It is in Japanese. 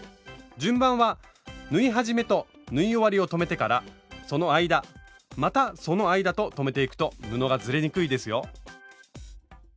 順番は縫い始めと縫い終わりを留めてからその間またその間と留めていくと布がずれにくいですよ。